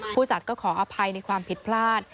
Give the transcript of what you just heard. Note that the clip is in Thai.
ผู้จัดก็ขออภัยในความผิดพลาด